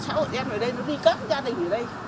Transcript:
hút đêm thì nó cũng tầm mấy giờ nó làm